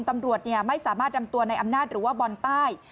ตำรวจไม่สามารถนำตัวในอำนาจหรือว่าบอลใต้